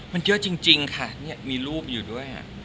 มันเยอะจริงค่ะมีรูปอยู่ด้วย